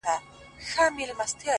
كه وي ژړا كه وي خندا پر كلي شپه تېروم.!